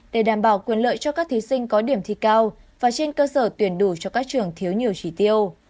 để đảm bảo quyền lợi cho các thí sinh có điểm thi cao và trên cơ sở tuyển đủ cho các trường thiếu nhiều chỉ tiêu